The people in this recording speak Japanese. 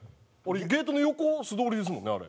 ゲートの横を素通りですもんねあれ。